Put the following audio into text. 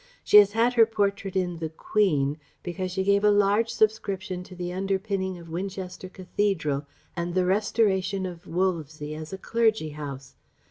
She has had her portrait in the Queen because she gave a large subscription to the underpinning of Winchester Cathedral and the restoration of Wolvesey as a clergy house....